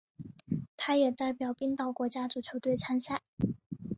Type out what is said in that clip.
他也代表冰岛国家足球队参赛。